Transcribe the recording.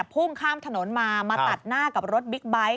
พุ่งข้ามถนนมามาตัดหน้ากับรถบิ๊กไบท์